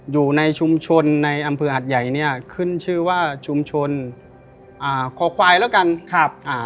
อยู่ในชุมชนในอำเภอหัดใหญ่เนี่ยขึ้นชื่อว่าชุมชนอ่าคอควายแล้วกันครับอ่า